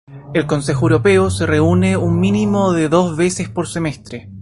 El Consejo Europeo se reúne un mínimo de dos veces por semestre.